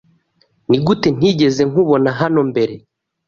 Nigute ntigeze nkubona hano mbere?